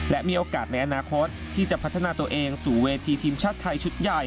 และมีโอกาสในอนาคตที่จะพัฒนาตัวเองสู่เวทีทีมชาติไทยชุดใหญ่